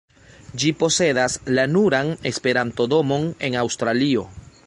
Ĝi posedas la nuran Esperanto-domon en Aŭstralio.